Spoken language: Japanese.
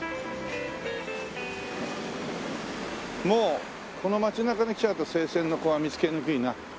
もうこの街中に来ちゃうと清泉の子は見つけにくいな。